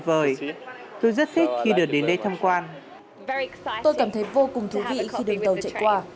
tôi rất thích khi được đến đây tham quan tôi cảm thấy vô cùng thú vị khi đường tàu chạy qua